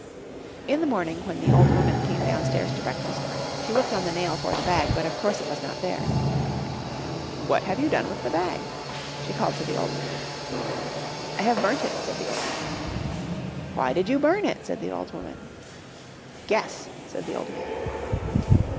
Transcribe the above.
] In the morning when the old woman came downstairs to breakfast she looked on the nail for the bag, but of course it was not there. "What have you done with the bag?" she called to the old man. "I have burnt it," said the old man. "Why did you burn it?" said the old woman. "Guess," said the old man.